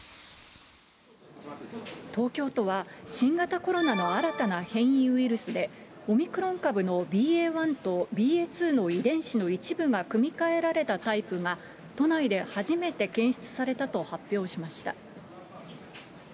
東京都は、新型コロナの新たな変異ウイルスでオミクロン株のＢＡ．１とＢＡ．２の遺伝子の一部が組み換えられたタイプが、都内で初めて検出されたと発表しました。